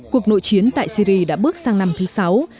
cuộc nội chiến tại syri đã bước sang năm thứ sáu